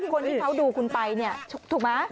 คนที่เขาดูคุณไปเนี่ยถูกไหม